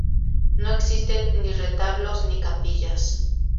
No existen ni retablos ni capillas.